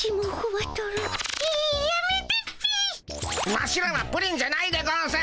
ワシらはプリンじゃないでゴンス！